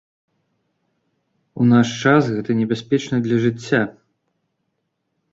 У наш час гэта небяспечна для жыцця!